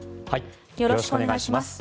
よろしくお願いします。